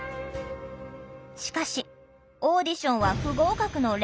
しかしオーディションは不合格の連続。